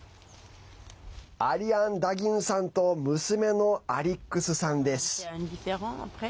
アリアン・ダギンさんと娘のアリックスさんです。